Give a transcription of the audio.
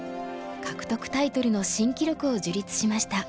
獲得タイトルの新記録を樹立しました。